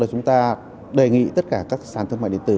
chúng ta đề nghị tất cả các sàn thương mại điện tử